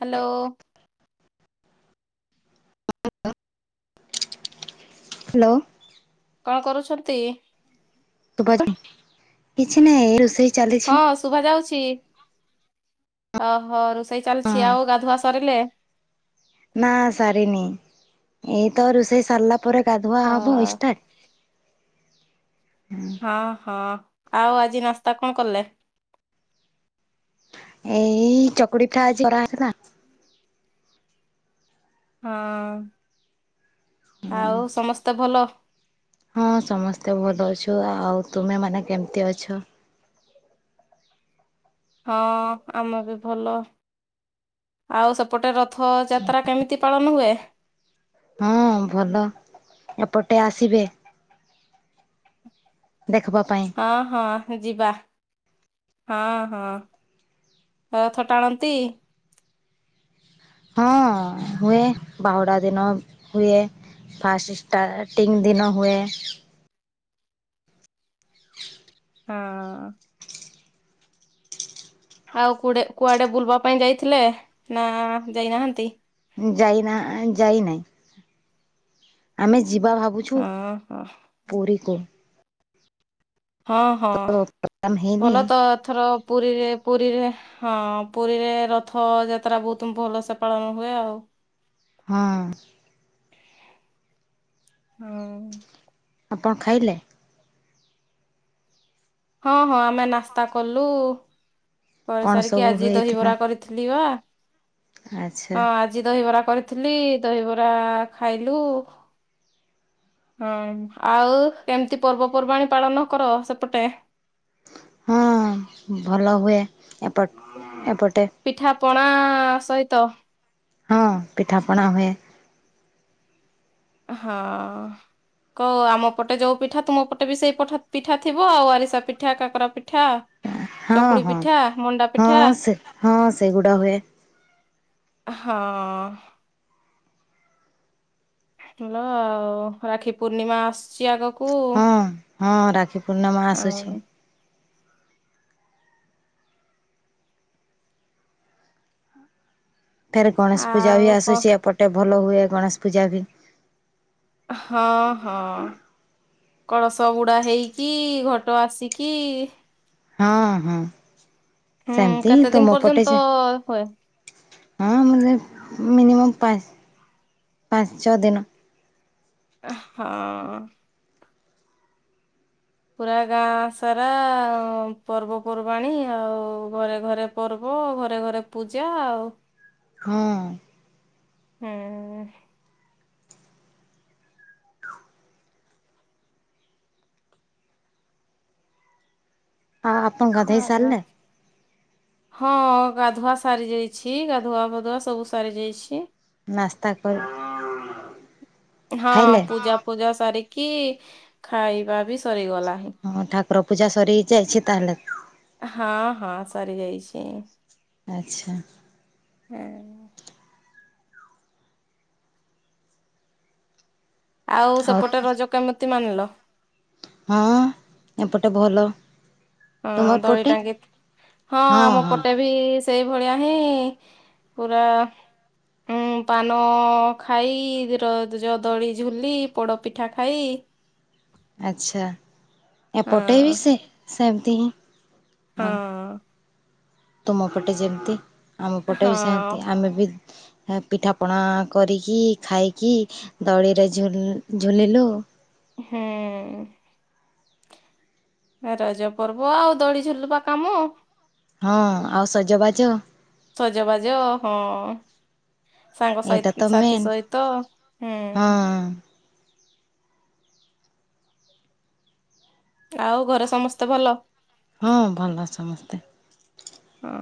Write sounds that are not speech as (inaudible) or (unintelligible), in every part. Hello? Hello. କଣ କରୁଛନ୍ତି? ଶୁଭାଯାଉନି, କିଛି ନାହିଁ ଏ ରୋଷେଇ। ହଁ ଚାଲିଛି ଶୁଭାଯାଉଛି, ଅହୋ ରୋଷେଇ ହଁ ଚାଲିଚି, ଆଉ ଗାଧୁଆ ସରିଲେ? ନାଁ ସାରିନି, ଏଇତ ରୋଷେଇ ସରିଲା। ପରେ ଗାଧୁଆ ଅ ହବ ଇଷ୍ଟାଟ୍, ହୁଁ। ହଁ ହଁ ଆଉ ଆଜି ନାସ୍ତା କଣ କଲେ? ଏଇ ଚକୁଳି ପିଠା ଆଜି କରାହେଇଥିଲା। (inaudible) ହଁ ହଁ ଆଉ ସମସ୍ତେ ଭଲ। ହଁ ସମସ୍ତେ ଭଲ ଅଛୁ ଆଉ ତୁମେମାନେ କେମିତି ଅଛ? ହଁ ଆମବି ଭଲ ଆଉ ସେପଟେ ରଥଯାତ୍ରା କେମିତି ପାଳନ ହୁଏ? ହଁ ଭଲ ଏପଟେ ଆସିବେ। ଦେଖିବା ପାଇଁ। ହଁ ହଁ ଯିବା। ହଁ ହଁ ରଥ ଟାଣନ୍ତି। ହଁ ହୁଏ ବାହୁଡା ଦିନ ହୁଏ। ଫାଷ୍ଟିଟା ତିନି ଦିନ ହୁଏ। ହଁ। ଆଉ କୁଡେ କୁଆଡେ ବୁଲବା ପାଇଁ ଯାଇଥିଲେ ନା ଯାଇନାହାନ୍ତି। ଯାଇନା ଯାଇନାଇ। ଆମେ ଯିବା ଭାବୁଚୁ ଅହ। ପୁରୀକୁ- ହଁ ହଁ ତ ପ୍ରୋଗ୍ରାମ ହେଇନି ଭଲ ଏଥର ପୁରୀରେ ପୁରୀରେ ହଁ ପୁରୀରେ ରଥ ଯାତ୍ରା ବହୁତ ଭଲସେ ପାଳନ ହୁଏ ଆଉ। ହଁ। ହୁଁ। ଆପଣ ଖାଇଲେ। ହଁ ହଁ ଆମେ ନାସ୍ତା କଲୁ କରି କଣ ସାରିକି ସବୁ ଆଜି ହେଇଥିଲା? ଦହିବରା କରିଥିଲି ବା ଆଚ୍ଛା ହଁ। ଆଜି ଦହିବରା କରିଥିଲି ଦହିବରା ଖାଇଲୁ ହଁ ଆଉ କେମିତି ପର୍ବପର୍ବାଣି ପାଳନ କର ସେପଟେ। ହଁ ଭଲ ହୁଏ ଏପଟ ଏପଟେ। ପିଠା ପଣା ସହିତ। ହଁ ପିଠାପଣା ହୁଏ। ହଁ। କ ଆମ ପଟେ ଯୋଉ ପିଠା ତୁମ ପଟେ ବି ସେଇପଠା ପିଠା ଥିବ ଆଉ ଆରିସା ପିଠା କାକରା ପିଠା। ହଁ ଚକୁଳି ହଁ ପିଠା ମଣ୍ଡା ହଁ ପିଠା ସେ ହଁ ସେଗୁଡା ହୁଏ। ହଁ। ଭଲ ଆଉ ରାକ୍ଷୀ ପୂର୍ଣ୍ଣିମା ଆସୁଛି ଆଗକୁ। ହଁ ହଁ ରାକ୍ଷୀ ପୂର୍ଣ୍ଣିମା ଆଉ ଆସୁଚି। ଫେରେ ଗଣେଶ ପୂଜା ବି ଆଉ କ ଆସୁଛି ଏପଟେ ଭଲ ହୁଏ ଗଣେଶ ପୂଜା ବି। ହଁ ହଁ। କଳସ ବୁଡ଼ା ହେଇକି ଘଟ ଆସିକି ହଁ ହଁ ହୁଁ ସେମିତି କେତେ ଦିନ ତୁମ ପଟେ ପର୍ଯ୍ୟନ୍ତ ଯେ। ହୁଏ ହଁ ମୁ ମିନିମମ୍ ପାଞ୍ଚ ପାଞ୍ଚ ଛଅ ଦିନ ହଁ। ପୁରା ଗାଁ ସାରା ପର୍ବପର୍ବାଣି ଆଉ ଘରେ ଘରେ ପର୍ବ ଘରେ ଘରେ ପୂଜା ଆଉ ହଁ। ହୁଁ ହଁ ଆପଣ ଗାଧେଇ ଆଉ ସାରିଲେ? ହଁ ଗାଧୁଆ ସାରିଯାଇଛି ଗାଧୁଆ ପାଧୁଆ ସବୁ ସରିଯାଇଛି। ନାସ୍ତା କର ହଁ ପୂଜା ଫୂଜା ସାରିକି ଖାଇବା ବି ସରିଗଲା ହଁ। ହଁ ଠାକୁର ପୂଜା ସରିିଯାଇଛି ତାହେଲେ ହଁ ହଁ ସରିଯାଇଛି। ଆଚ୍ଛା ହୁଁ ଆଉ ହଉ ସେପଟେ ରଜ କେମିତି ମାନିଲ? ହଁ ଏପଟେ ଭଲ। ହଁ ତୁମର ଦୋଳି ପଟେ ଟାଙ୍ଗି, ହଁ ଆମ ପଟେ ବି ସେଇ ଭଳିଆ ହିଁ ପୁରା ହଁ, ପାନ ଖାଇ, ରଜ ଦୋଳି ଝୁଲି, ପୋଡ଼ପିଠା ଖାଇ ଆଚ୍ଛା, ଏ ପଟେବି ହଁ ସେ ସେମିତି ହଁ। ଆଉ ତୁମ ପଟେ ଯେମିତି ଆମ ପଟେ ବି ହଁ ସେମତି। ଆମେ ବି ପିଠାପଣା କରିକି, ଖାଇକି, ଦୋଳିରେ ଝୁ ଝୁଲିଲୁ। ହୁଁ। ରଜ ପର୍ବ ଆଉ ଦୋଳି ଝୁଲିବା କାମ। ହଁ ଆଉ ସଜବାଜ। ସଜବାଜ ହଁ। ସାଙ୍ଗ ଏଇଟା ତ ସହି ସାଥି ମେନ୍ ସହିତ, ହୁଁ। ହଁ ଆଉ ଘରେ ସମସ୍ତେ ଭଲ? ହଁ ଭଲ ସମସ୍ତେ। ହଁ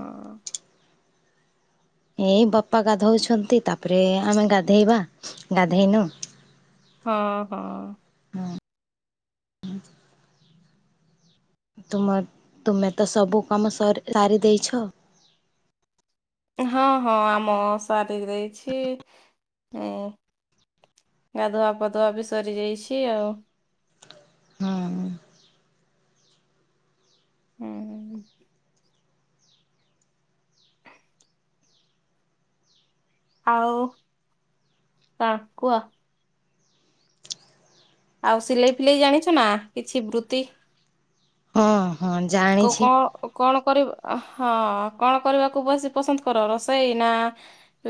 ଏଇ ବାପା ଗାଧଉଛନ୍ତି, ତାପରେ ଆମେ ଗାଧେଇବା ଗାଧେଇକି ହଁ ହଁ। ତୁମର ତୁମେ ତ ସବୁ କାମ ସାରିଦେଇଛ। ହଁ ହଁ ଆମ ସାରିଦେଇଛି। ଇଁ ଗାଧୁଆ ପାଧୁଆ ବି ସରିଯାଇଛି ଆଉ। ହୁଁ ହୁଁ ହୁଁ। ଆଉ, କଣ କୁହ? ଆଉ ସିଲେଇ ଫିଲେଇ ଜାଣିଛ ନା, କିଛି ବୃତ୍ତି? ହଁ ହଁ, (unintelligible) (unintelligible) କଣ କରିବ, ହଁ କଣ କରିବାକୁ ବେଶି ପସନ୍ଦ କର, ରୋଷେଇ ନା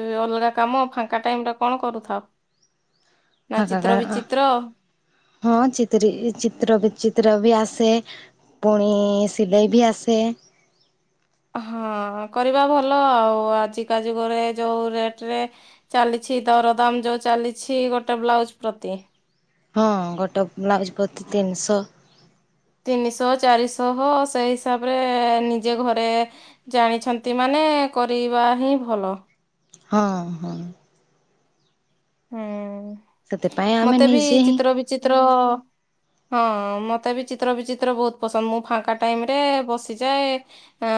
ଏ ଅଲଗା କାମ, ଫାଙ୍କା ଟାଇମରେ କଣ କରୁଥାଅ? ନା ଫାଙ୍କା ଚିତ୍ର କାମ ବିଚିତ୍ର? ହଁ ଚିତିରି, ଚିତ୍ର ବିଚିତ୍ର ବି ଆସେ। ପୁଣି, ସିଲେଇ ବି ଆସେ। ହଁ କରିବା ଭଲ ଆଉ, ଆଜିକା ଯୁଗରେ ଯୋଉ ରେଟରେ ଚାଲିଛି, ଦରଦାମ ଯେଉଁ ଚାଲିଛି, ଗୋଟେ ବ୍ଲାଉଜ୍ ପ୍ରତି ହଁ, ଗୋଟେ ବ୍ଲାଉଜ୍ ପ୍ରତି ତିନିଶହ। ତିନିଶହ, ଚାରିଶହ ସେଇ ହିସାବରେ ନିଜେ ଘରେ ଜାଣିଛନ୍ତି ମାନେ, କରିବା ହିଁ ଭଲ। ହଁ, ହଁ ହୁଁ, ସେଥିପାଇଁ ଆମେ ମତେ ବି ନିଜେ ହିଁ ଚିତ୍ର ବିଚିତ୍ର ହଁ ମୋତେ ବି ଚିତ୍ର, ବିଚିତ୍ର ବହୁତ ପସନ୍ଦ। ମୁଁ ଫାଙ୍କା ଟାଇମରେ ବସିଯାଏ ହଁ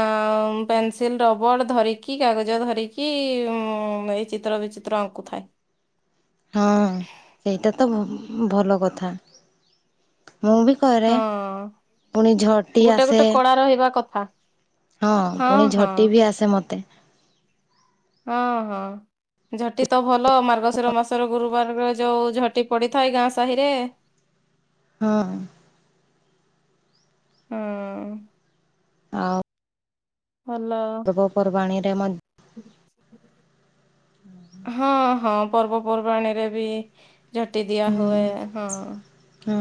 ପେନସିଲ, ରବର ଧରିକି, କାଗଜ ଧରିକି ଉ -ଏଇ ଚିତ୍ର ବିଚିତ୍ର ଚିତ୍ର ଆଙ୍କୁ ଥାଏ। ହଁ ସେଇଟା ତଭ ଭଲ କଥା, ମୁଁ ବି କରେ, ହଁ ପୁଣି ଝଟି ଆସେ। ତା ରହିବା କଥା। ହଁ ପୁଣି ଝଟି ବି ଆସେ, ମତେ ହଁ ହଁ ଝଟି ତ ଭଲ, ମାର୍ଗଶିର ମାସର ଗୁରୁବାରରେ ଯୋଉ ଝଟି ପଡିଥାଏ ଗାଁ ସାହିରେ ହଁ ଉଁ ଆଉ ଭଲ ପର୍ବପର୍ବାଣୀରେ ମଧ୍ୟ ହଁ ହଁ ପର୍ବ, ପର୍ବାଣିରେ ବି ଝୋଟି ଦିଆ ହୁଁ ହୁଏ, ହଁ ହଁ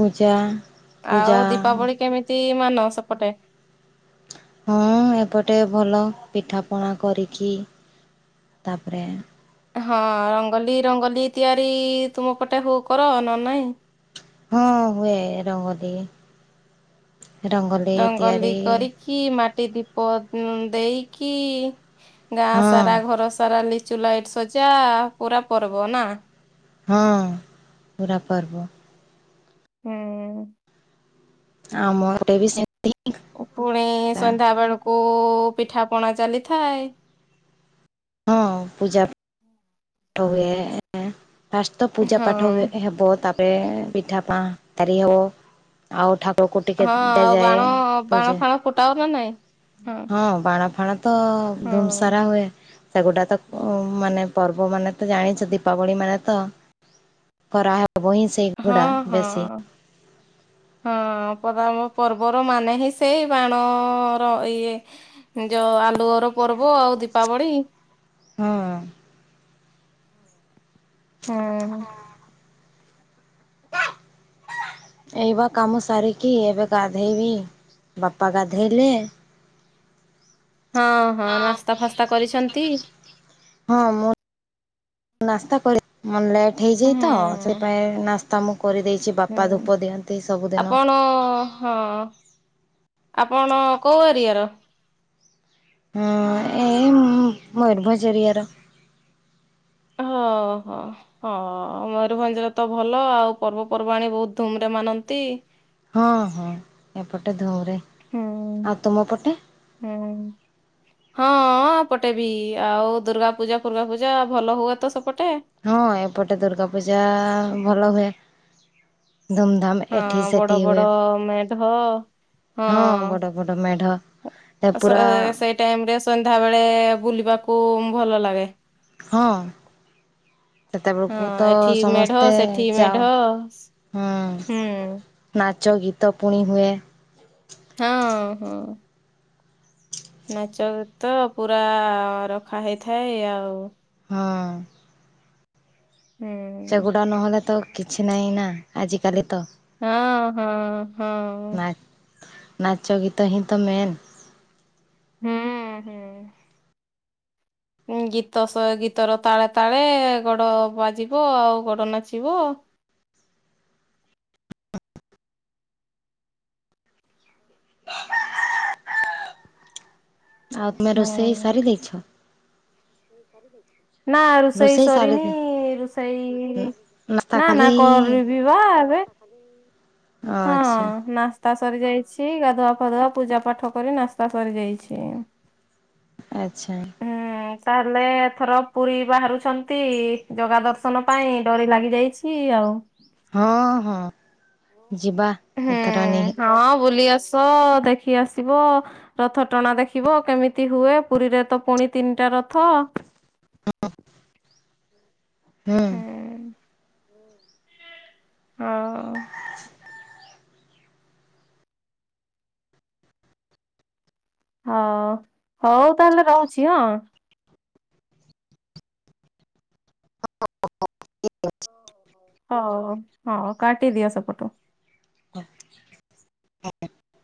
ପୂଜା ପୂଜା ଆଉ, ଦୀପାବଳି କେମିତି ମାନ, ସେପଟେ ହଁ ଏପଟେ ଭଲ ପିଠାପଣା କରିକି, ତାପରେ ହଁ ରଙ୍ଗୋଲି, ରଙ୍ଗୋଲି ତିଆରି ତୁମ ପଟେ ହୁ କର, ନା ନାଇଁ? ହଁ ହୁଏ ରଙ୍ଗୋଲି, ରଙ୍ଗୋଲି ତିଆରି କି ମାଟି ଦୀପ ଉ ଦେଇକି, ଗାଁ ହଁ ସାରା, ଘର ସାରା ଲି ଲିଚୁଲାଇଟ୍ ସଜା, ପୁରା ପର୍ବ ନା। ହଁ, ପୁରା ପର୍ବ। ହୁଁ ଉଁ ଆମ ଆଡେ ବି ସେ ଓ ପୁଣି ସନ୍ଧ୍ୟା ବେଳକୁ ପିଠା, ପଣା ଚାଲିଥାଏ। ହଁ ପୂଜା ପାଠହୁଏ। ଫାଷ୍ଟ ତ ପୂଜା ପାଠ ହଁ ହୁଏ। ଏହାପ, ତାପ ପେଏ, ପିଠା ପାଁ ତାରି ହବ। ଆଉ ଠାକୁରକୁ ଟିକେ ହଁ ଆଉ ଦିଆଯାଏ ବାଣ ବାଣ ପୂଜା ଫାଣ ଫୁଟାଅ ନା ନାଇଁ? ହଁ ବାଣ ଫାଣ ତ ହଁ ଧୂମସାରା ହୁଏ ସେଗୁଡା ତ ମାନେ ପର୍ବ ପବ ମାନେ ତ ଜାଣିଛ ଦୀପାବଳି ମାନେ ତ ଖରା ହବ ହିଁ ସେଇଗୁଡା ହଁ ବେଶୀ ହଁ। ହଁ ପଦ ପର୍ବର ମାନେ ହିଁ ସେଇ ବାଣର ଇଏ ଯଉ ଆଲୁଅର ପର୍ବ ଆଉ ଦୀପାବଳି ହଁ ହୁଁ ହୁଁ କ (inaudible) ଏଇ ବା କାମ ସାରିକି ଏବେ ଗାଧେଇବି ବାପା ଗାଧେଇଲେ ହଁ ହଁ ନାସ୍ତା ଫାସ୍ତା କରିଛନ୍ତି ହଁ ମୁଁ ନାସ୍ତା କରି ଅନଲିନି ହେଇଯାଇ ହୁଁ ତ ସେପାଇଁ ନାସ୍ତା ମୁଁ କରିଦେଇଛି ବାପା ହୁଁ ଧୂପ ଦିଅନ୍ତି ସବୁଦିନ ଆପଣ ହଁ ଆପଣ କୋଉ ଏରିଆର। ହଁ ଏ ମୟୂରଭଜଏରିଆ ର। ହ ହଁ। ହଁ ମୟୂରଭଞ୍ଜରେ ତ ଭଲ ଆଉ ପର୍ବପର୍ବାଣୀ ବୋହୁତ ଧୁମ ରେ ମାନନ୍ତି। ହଁ ହଁ ଏପଟେ ଧୂମ୍ ରେ ହୁଁ ଆଉ ତୁମ ପଟେ। ହୁଁ। ହଁ ଏପଟେ ବି ଆଉ ଦୁର୍ଗା ପୂଜା ଫୁର୍ଗାପୂଜା ଭଲ ହୁଏ ତ ସେପଟେ। ହଁ ଏପଟେ ଦୁର୍ଗା ପୂଜା ଭଲ ହୁଏ ଧୁମ୍ ଧାମ୍ ହଁ ଏଠି ବଡ ସେଠି ବଡ ହୁଏ ମେଢ ହଁ। ହଁ ବଡ ବଡ ମେଢ ସେଇ ଟାଇମ୍ ରେ ସନ୍ଧ୍ୟା ବେଳେ ବୁଲିବାକୁ ଭଲ ଲାଗେ। ହଁ ହଁ ସେତେବେଳୁକୁ ତ ଏଠି ମେଢ ସମସ୍ତେ ସେଠି ମେଢ ଯାଅ। ହୁଁ ନାଚ ଗୀତ ପୁଣି ହୁଏ। ହଁ ହଁ। ନାଚଗିତ ପୁରା ରଖା ହେଇଥାଏ ଆଉ। ହଁ। ହୁଁ। ସେଗୁଡା ନହେଲେ ତ କିଛି ନାହିଁ ନା ଆଜିକାଲି ତ। ହଁ ହଁ ହଁ। ନା ନାଚ ଗୀତ ହିଁ ତ ମେନ୍। ହୁଁ ହୁଁ। ଉ ଗୀତ ସୋଏ ଗୀତର ତାଳେ ତାଳେ ଗୋଡ ବାଜିବ ଆଉ ଗୋଡ ନାଚିବ। ଆଉ ତୁମେ ରୋଷେଇ ହୁଁ ସାରି ଦେଇଚ। ନା ରୋଷେଇ ସାରି ସରିନି ଦେ ରୁଷେଇ ନାସ୍ତା ନା ନା ଖାଲି କରିବି ବା ଏବେ। ହଁ ଆଚ୍ଛା ନାସ୍ ସ୍ତା ସରି ଯାଇଛି ଗାଧୁଆ ଫାଧୁଆ ପୂଜା ପାଠ କରି ନାସ୍ତା ସରି ଯାଇଚି। ଆଚ୍ଛା। ତାହେଲେଏଥର ପୁରୀ ବାହାରୁଛନ୍ତି ଜଗା ଦର୍ଶନ ପାଇଁ ଡୋରି ଲାଗି ଯାଇଛି ଆଉ। ହଁ ହଁ ଯିବା। ଏଥର ନି ହୁଁ ହଁ ବୁଲି ଆସ ଦେଖି ଆସିବ। ରଥ ଟଣା ଦେଖିବ କେମିତି ହୁଏ ପୁରୀରେ ତ ପୁଣି ତିନିଟା ରଥ। ହୁଁ। ଆଉ। (inaudible) ହଁ ହୋଉ ତାହେଲେ ରହୁଚି ହଁ। ହ ହ ହ ହ ଠିକ୍ ଅଛି। ହଉ ହଉ ହଁ କାଟିଦିଅ ସେପଟୁ। (inaudible)